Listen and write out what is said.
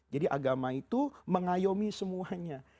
jadi agama itu mengayomi semuanya